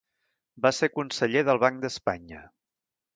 Va ser conseller del Banc d'Espanya.